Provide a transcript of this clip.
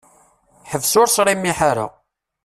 Ḥbes ur sṛimiḥ ara!